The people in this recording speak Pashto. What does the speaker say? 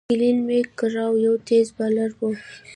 گلين میک ګرا یو تېز بالر وو.